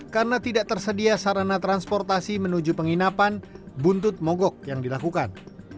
karena tidak tersedia sarana transportasi menuju penginapan buntut mogok yang dilakukan